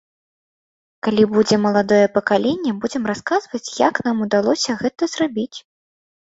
Калі будзе маладое пакаленне, будзем расказваць, як нам удалося гэта зрабіць.